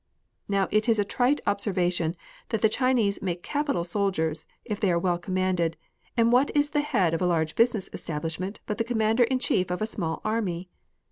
Now it is a trite observation that the Chinese make capital soldiers if they are well commanded, and what is the head of a large business establishment but the commander in chief of a small army